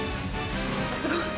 すごい。